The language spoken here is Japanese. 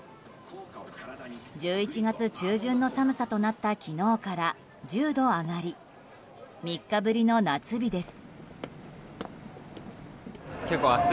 １１月中旬の寒さとなった昨日から１０度上がり３日ぶりの夏日です。